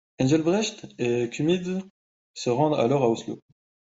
Engelbrecht et Kummetz se rendent alors à Oslo.